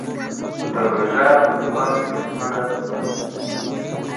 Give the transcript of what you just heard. پروژه پر وخت بشپړه شوه.